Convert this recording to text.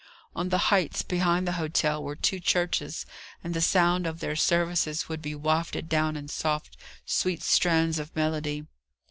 On the heights behind the hotel were two churches; and the sound of their services would be wafted down in soft, sweet strains of melody.